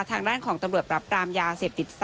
ทางด้านของตำรวจปรับปรามยาเสพติด๓